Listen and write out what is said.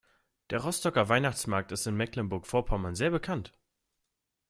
Der Rostocker Weihnachtsmarkt ist in Mecklenburg-Vorpommern sehr bekannt.